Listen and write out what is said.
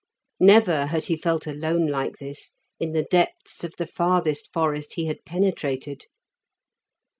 Never had he felt alone like this in the depths of the farthest forest he had penetrated.